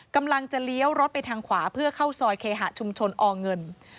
กำลังจะเลี้ยวรถไปทางขวาเพื่อเข้าซอยเคหะชุมชนอเงิน